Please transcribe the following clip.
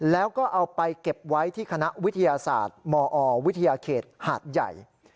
แล้วก็เอาไปเก็บไว้ที่คณะวิทยาศาสตร์มอวิทยาเขตหาดใหญ่